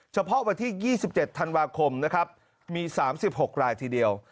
เฉพาะวันที่๒๗ธันวาคมนะครับมี๓๖รายทีเดียว